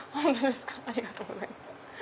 ありがとうございます。